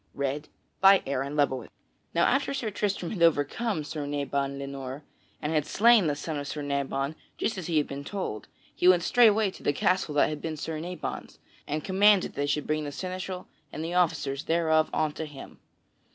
_ Now after Sir Tristram had overcome Sir Nabon le Noir, and had slain the son of Sir Nabon as has been just told, he went straightway to the castle that had been Sir Nabon's, and commanded that they should bring forth the seneschal and the officers thereof unto him.